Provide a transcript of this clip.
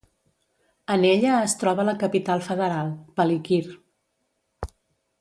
En ella es troba la capital federal, Palikir.